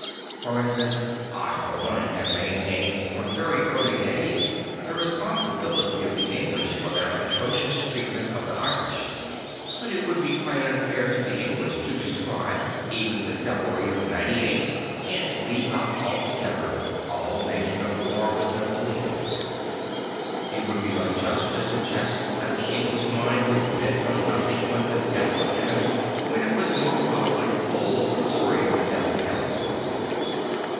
For instance, I for one have maintained from very early days the responsibility of the English for their atrocious treatment of the Irish. But it would be quite unfair to the English to describe even the devilry of J 98 and leave out altogether all mention of the war with Napoleon. It would be unjust to suggest that the English mind was bent on nothing but the death of Emmett, when it was more probably full of the glory of the death of Nelson.